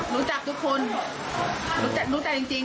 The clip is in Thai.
รู้จักทุกคน